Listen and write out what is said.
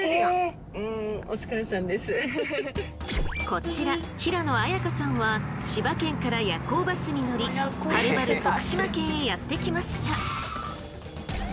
こちら平野綾佳さんは千葉県から夜行バスに乗りはるばる徳島県へやって来ました。